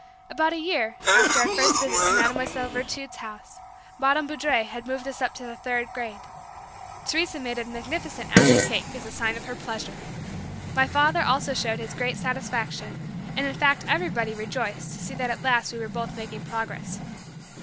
About a year after our first visit to Mademoiselle Virtud's house, Madame Boudre had moved us up to the Third Grade. Teresa made a magnificent apple cake as a sign of her pleasure. My father also showed his great satisfaction, and in fact everybody rejoiced to see that at last we were both making progress.